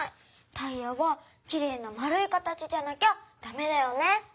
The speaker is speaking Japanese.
タイヤはきれいなまるい形じゃなきゃダメだよね。